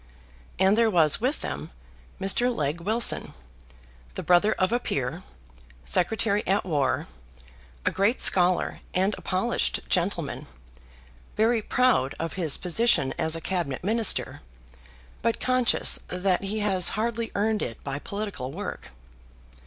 And there was with them Mr. Legge Wilson, the brother of a peer, Secretary at War, a great scholar and a polished gentleman, very proud of his position as a Cabinet Minister, but conscious that he has hardly earned it by political work.